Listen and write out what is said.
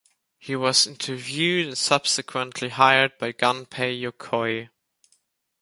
He was interviewed and subsequently hired by Gunpei Yokoi.